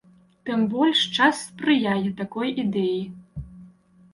Тым больш, час спрыяе такой ідэі.